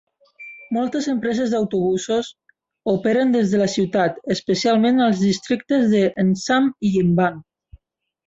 Moltes empreses d'autobusos operen des de la ciutat; especialment als districtes de Nsam i Mvan.